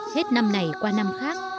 hết năm này qua năm khác